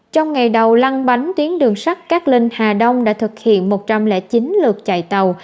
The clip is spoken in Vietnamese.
trong ngày đầu lăng bánh tuyến đường sắt cát linh hà đông đã thực hiện một trăm linh chín lượt chạy tàu